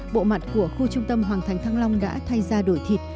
bộ mặt của khu trung tâm hoàng thành thăng long đã thay ra đổi thịt